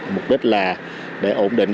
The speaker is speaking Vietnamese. mục đích là để ổn định